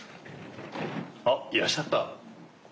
あっいらっしゃった。